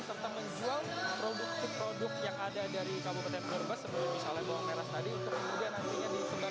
serta menjual produk produk yang ada dari kabupaten brebes sebelum misalnya bawang merah tadi itu juga nantinya disebarluaskan ke sejumlah wilayah